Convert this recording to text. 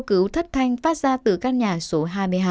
tiếng kêu cứu thất thanh phát ra từ căn nhà số hai mươi hai